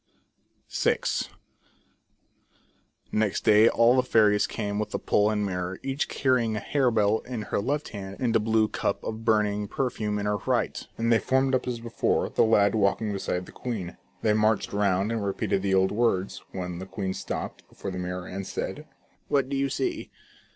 VI. Next day all the fairies came with the pole and mirror, each carrying a harebell in her left hand, and a blue cup of burning perfume in her right, and they formed up as before, the lad walking beside the queen. They marched round and repeated the old words,, when the queen stopped before the mirror, and said :" What do you see